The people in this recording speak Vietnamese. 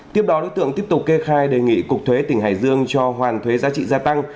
tiếp đó đối tượng tiếp tục kê khai đề nghị cục thuế tỉnh hải dương cho hoàn thuế giá trị gia tăng